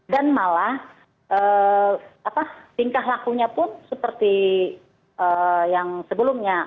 dan malah singkah lakunya pun seperti yang sebelumnya